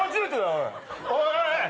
おいおい